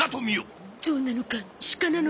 ゾウなのかシカなのか。